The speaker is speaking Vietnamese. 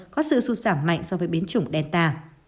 có sự sụt giảm mạnh so với biến chủng delta